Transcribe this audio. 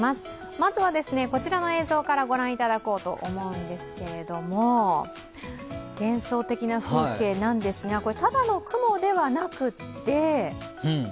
まずはこちらの映像から御覧いただこうと思うんですけど幻想的な風景なんですが、これこれ、ただの雲ではなくって。